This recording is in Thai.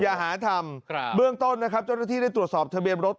อย่าหาทำเบื้องต้นนะครับเจ้าหน้าที่ได้ตรวจสอบทะเบียนรถ